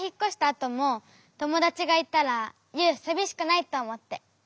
あともともだちがいたらユウさびしくないとおもって。